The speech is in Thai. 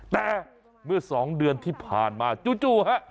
แต่เมื่อ๒เดือนที่ผ่านมาจู่ฮะ